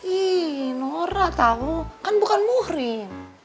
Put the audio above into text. ih norak tau kan bukan muhrim